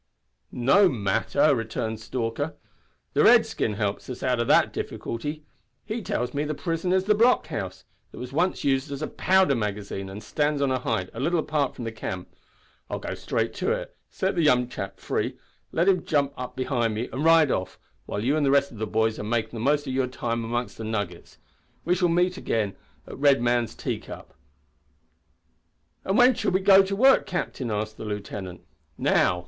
"No matter," returned Stalker. "The redskin helps us out o' that difficulty. He tells me the prison is a blockhouse, that was once used as a powder magazine, and stands on a height, a little apart from the camp. I'll go straight to it, set the young chap free, let him jump up behind me and ride off, while you and the rest of the boys are makin' the most of your time among the nuggets. We shall all meet again at the Red Man's Teacup." "And when shall we go to work, captain!" asked the lieutenant. "Now.